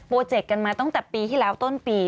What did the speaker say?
เจกต์กันมาตั้งแต่ปีที่แล้วต้นปี